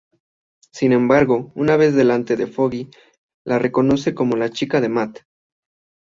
Sin embargo, una vez delante de Foggy, la reconoce como la "Chica de Matt".